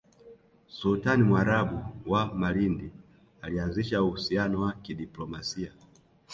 Sultani Mwarabu wa Malindi alianzisha uhusiano wa kidiplomasia